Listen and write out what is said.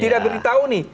tidak diberitahu nih